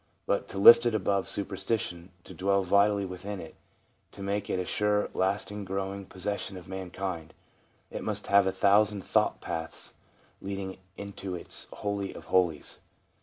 But to lift it above superstition, to dwell vitally within it, to make it a sure, lasting, growing possession of mankind, it must have a thousand thought paths leading into its holy of holies.